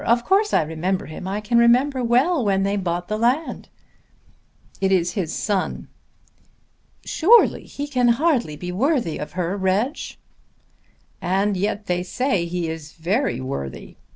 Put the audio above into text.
Of course I remember him. I can remember well when they bought the land." "It is his son." "Surely he can hardly be worthy of her, Reg." "And yet they say he is very worthy.